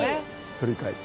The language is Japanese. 取り替えて。